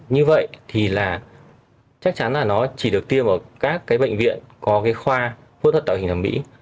như vậy thì là chắc chắn là nó chỉ được tiêm vào các bệnh viện có khoa phẫu thuật tạo hình thẩm mỹ